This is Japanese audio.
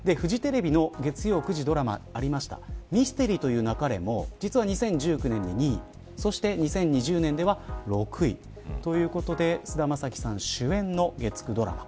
フジテレビの月曜９時ドラマにありましたミステリと言う勿れも実は２０１９年の２位２０２０年では６位ということで菅田将暉さん主演の月９ドラマ。